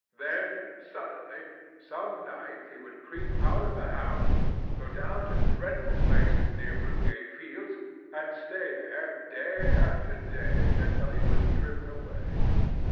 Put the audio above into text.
Then, suddenly, some night he would creep out of the house, go down to dreadful places near Blue Gate Fields, and stay there, day after day, until he was driven away.